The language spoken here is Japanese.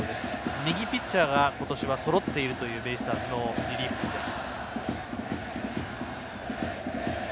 右ピッチャーが今年はそろっているというベイスターズのリリーフ陣です。